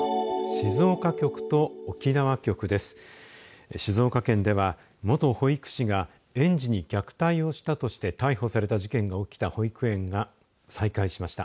静岡県では元保育士が園児に虐待をしたとして逮捕された事件が起きた保育園が再開しました。